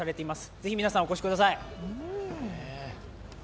ぜひ皆さんお越しください。